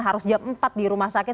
harus jam empat di rumah sakit